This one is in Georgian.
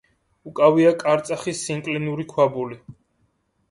უკავია კარწახის სინკლინური ქვაბული.